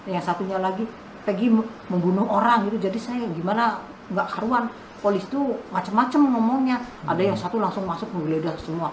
yang satunya lagi pergi membunuh orang gitu jadi saya gimana nggak karuan polisi tuh macam macam ngomongnya ada yang satu langsung masuk menggeledah semua